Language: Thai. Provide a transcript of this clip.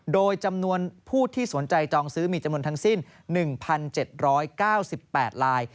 โดยจำนวนผู้ที่สนใจจองซื้อมีจำนวนทั้งสิ้น๑๗๙๘ลาย